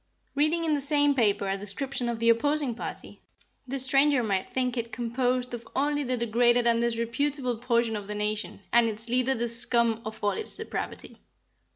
"Reading in the same paper a description of the opposing party, the stranger might think it composed of only the degraded and disreputable portion of the nation, and its leader the scum of all its depravity.